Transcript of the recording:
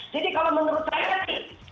jadi kalau menurut saya sih